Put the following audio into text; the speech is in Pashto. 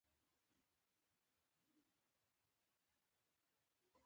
چې د هسکو تورو غرونو په منځ کښې لکه لوى ښامار اوږده غځېدلې وه.